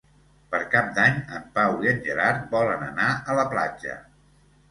Per Cap d'Any en Pau i en Gerard volen anar a la platja.